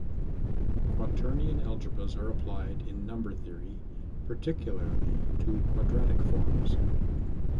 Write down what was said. Quaternion algebras are applied in number theory, particularly to quadratic forms.